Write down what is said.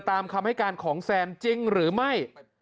ตามคำให้การของแซนจริงหรือไม่